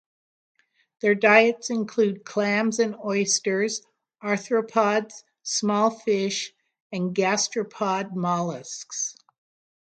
Their diets include clams and oysters, arthropods, small fish and gastropod molluscs.